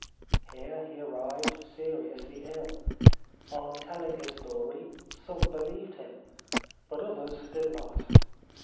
Here he arrived seriously ill. On telling his story, some believed him ; but others did not.